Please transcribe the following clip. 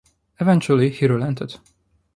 Eventually he relented.